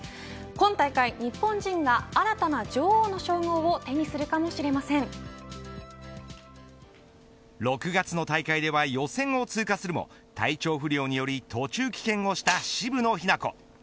今大会日本人が新たな女王の称号を６月の大会では予選を通過するも体調不良により途中棄権をした渋野日向子。